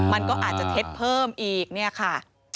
มันก็อาจจะเท็จเพิ่มอีกเนี่ยค่ะ